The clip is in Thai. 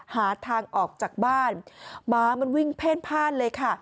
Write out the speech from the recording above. หาทางออกจากบ้านหมามันวิ่งเพ่นพ่านเลยค่ะ